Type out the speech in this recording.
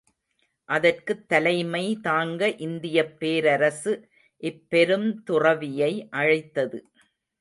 அதற்குத் தலைமைதாங்க இந்தியப் பேரரசு இப் பெருந் துறவியை அழைத்தது.